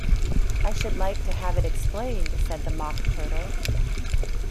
‘I should like to have it explained,’ said the Mock Turtle.